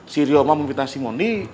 sirio mah memfitnah si mondi